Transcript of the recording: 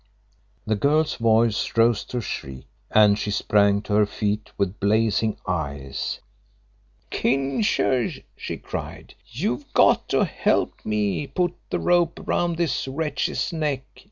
The girl's voice rose to a shriek, and she sprang to her feet with blazing eyes. "Kincher," she cried, "you've got to help me put the rope round this wretch's neck.